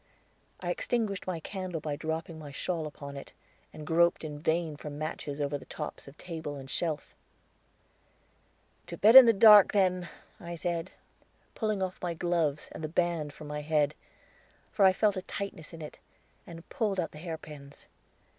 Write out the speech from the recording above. I extinguished my candle by dropping my shawl upon it, and groped in vain for matches over the tops of table and shelf. "To bed in the dark, then," I said, pulling off my gloves and the band, from my head, for I felt a tightness in it, and pulled out the hairpins.